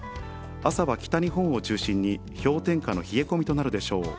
朝は北日本を中心に氷点下の冷え込みとなるでしょう。